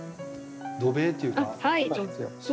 土塀っていうか。